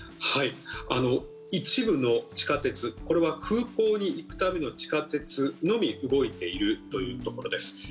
一部の地下鉄、これは空港に行くための地下鉄のみ動いているというところです。